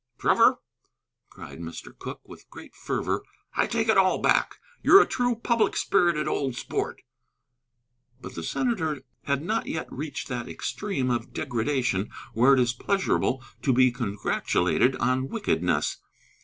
"Trevor," cried Mr. Cooke, with great fervor, "I take it all back. You're a true, public spirited old sport." But the senator had not yet reached that extreme of degradation where it is pleasurable to be congratulated on wickedness.